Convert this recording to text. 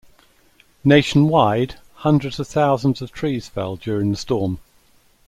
Nationwide, hundreds of thousands of trees fell during the storm.